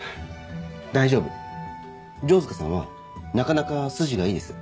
大丈夫城塚さんはなかなか筋がいいです。